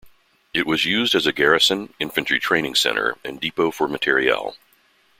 It was used as a garrison, infantry training center, and depot for materiel.